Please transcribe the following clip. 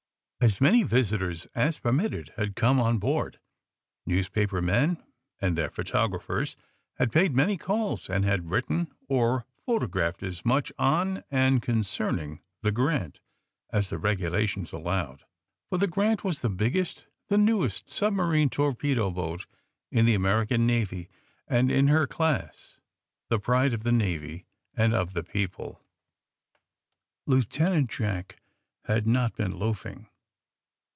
As many visitors as permitted had come on board. Newspaper men and their photograph ers had paid many calls, and had written or photographed as much on and concerning the Grant" as the regulations allowed. For the Grant" was the biggest, the newest submarine torpedo boat in the American Navy, and, in her class, the pride of the Navy and of the people. Lieutenant Jack had not been loafing.